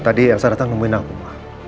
tadi elsa datang nemuin aku ma